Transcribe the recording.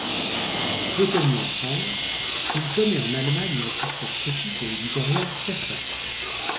Peu connu en France, il connaît en Allemagne un succès critique et éditorial certain.